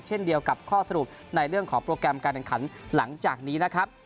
เช่นเดียวกับข้อสรุปในเรื่องของโปรแกรมการแข่งขันหลังจากนี้นะครับ